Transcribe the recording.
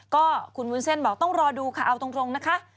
ก็คุณวุ้นเส้นบอกต้องรอดูค่ะเอาตรงนะคะ